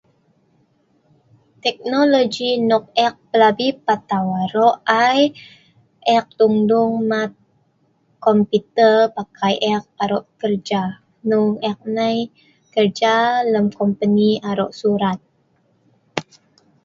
Teknologi nok ek pelabi patau aro ai ,ek dung-dung mat komputer pakai ek aro kerja, hnong ek nai kerja lem kompeni aro surat.